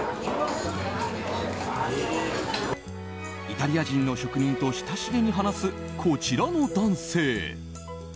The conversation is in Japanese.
イタリア人の職人と親しげに話す、こちらの男性。